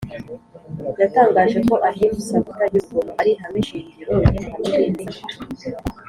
yatangaje ko ahimsa (kutagira urugomo) ari ihame shingiro ry’amahame mbwirizamuco